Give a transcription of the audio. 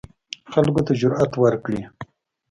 خلکو ته جرئت ورکړي